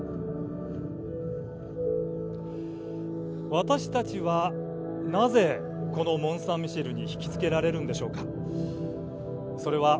私たちはなぜ、このモンサンミシェルに引き付けられるんでしょうか。